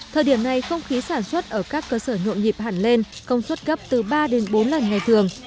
thời điểm này không khí sản xuất ở các cơ sở nhộn nhịp hẳn lên công suất gấp từ ba đến bốn lần ngày thường